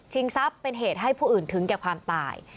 ทรัพย์เป็นเหตุให้ผู้อื่นถึงแก่ความตาย